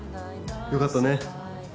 よかったね。